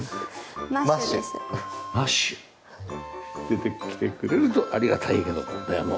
出てきてくれるとありがたいけども。